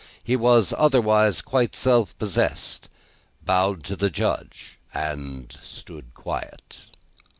He was otherwise quite self possessed, bowed to the Judge, and stood quiet.